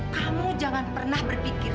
kamu jangan pernah berpikir